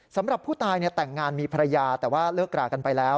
สำหรับผู้ตายแต่งงานมีภรรยาแต่ว่าเลิกรากันไปแล้ว